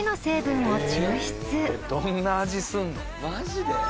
マジで？